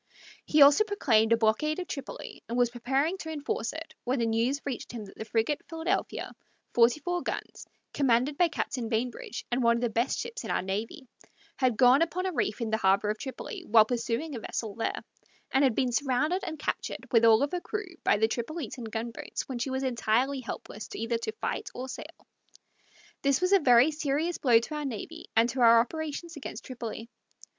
He also proclaimed a blockade of Tripoli and was preparing to enforce it when the news reached him that the frigate Philadelphia, forty four guns, commanded by Captain Bainbridge, and one of the best ships in our navy, had gone upon a reef in the harbor of Tripoli, while pursuing a vessel there, and had been surrounded and captured, with all her crew, by the Tripolitan gunboats, when she was entirely helpless either to fight or sail. This was a very serious blow to our navy and to our operations against Tripoli.